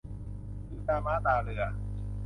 ดูตาม้าตาเรือ